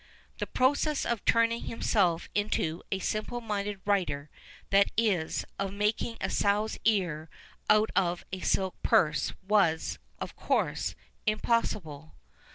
The process of turning himself into a simple minded writer — that is, of making a sow's ear out of a silk purse, was, of course, impossible.